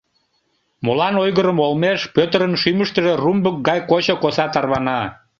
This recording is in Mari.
Молан ойгырымо олмеш Пӧтырын шӱмыштыжӧ румбык гай кочо коса тарвана?